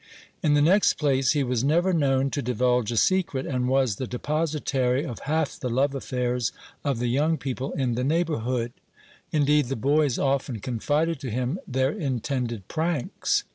In the next place, he was never known to divulge a secret, and was the depositary of half the love affairs of the young people in the neighborhood; indeed, the boys often confided to him their intended pranks.